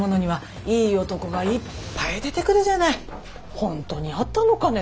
本当にあったのかねぇ。